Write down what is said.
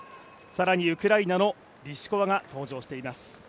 更にウクライナのリシコワが登場しています。